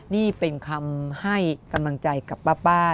นี่เป็นคำให้กำลังใจกับป้า